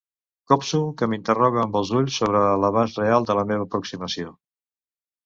Copso que m'interroga amb els ulls sobre l'abast real de la meva aproximació.